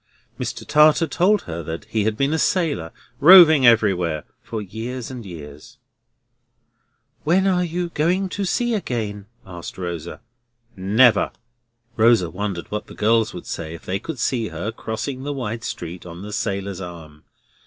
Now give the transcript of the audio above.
Mr. Tartar told her he had been a sailor, roving everywhere for years and years. "When are you going to sea again?" asked Rosa. "Never!" Rosa wondered what the girls would say if they could see her crossing the wide street on the sailor's arm.